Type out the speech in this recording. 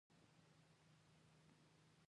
او د لنډې نېزې په معنا یې ژباړلې ده.